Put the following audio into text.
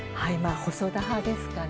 細田派ですかね。